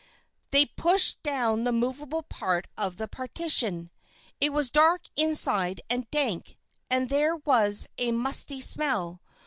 They pushed down the movable part of the partition. It was dark inside, and dank, and there was a musty smell.